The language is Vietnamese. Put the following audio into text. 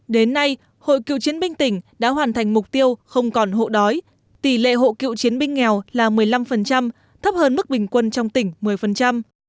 đến nay hội cựu chiến binh tỉnh đã hoàn thành mục tiêu không còn hộ đói tỷ lệ hộ cựu chiến binh nghèo là một mươi năm thấp hơn mức bình quân trong tỉnh một mươi